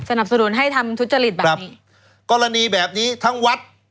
สนับสนุนให้ทำทุจริตแบบนี้กรณีแบบนี้ทั้งวัด